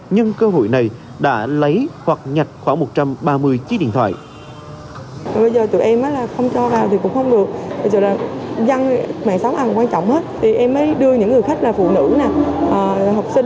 nhưng cơ hội này đã lấy hoặc nhặt khoảng một trăm ba mươi chiếc điện thoại